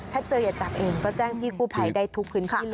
ถ้าเจออย่าจับเองก็แจ้งพี่กู้ภัยได้ทุกพื้นที่เลย